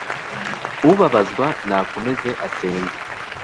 ubabazwa nakomeze asenge